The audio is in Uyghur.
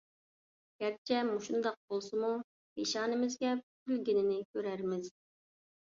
گەرچە مۇشۇنداق بولسىمۇ، پېشانىمىزگە پۈتۈلگىنىنى كۆرەرمىز.